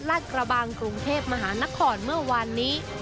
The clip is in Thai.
กระบังกรุงเทพมหานครเมื่อวานนี้